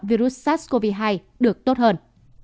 virus sars cov hai được tốt hơn